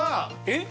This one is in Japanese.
えっ？